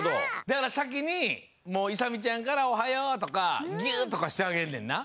だからさきにいさみちゃんから「おはよう」とかギュとかしてあげんねんな。